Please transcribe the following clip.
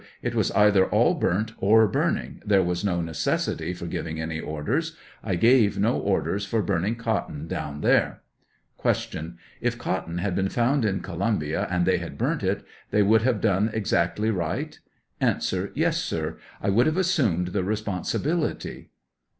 It was either all burnt or burning ; there was no necessity for giving any orders; I gave no orders for burning cotton down there. Q. If cotton had been found in Columbia and they had burnt it, they would have done exactly right ? 110 A. Yes, sir; I would have assumed the responsibility.